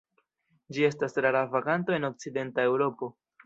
Ĝi estas rara vaganto en okcidenta Eŭropo.